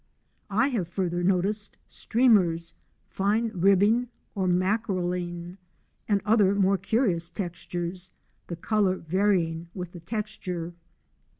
I have further noticed streamers, fine ribbing or mackerelling, and other more curious textures, the colour varying with the texture.